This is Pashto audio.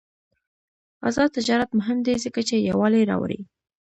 آزاد تجارت مهم دی ځکه چې یووالي راوړي.